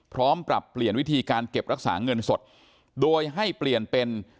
พร้อมปรับเปลี่ยนวิธีการเก็บรักษาเงินสดโดยให้เปลี่ยนเป็น